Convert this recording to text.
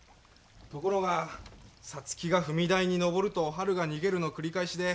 ところが皐月が踏み台に上るとおはるが逃げるの繰り返しで。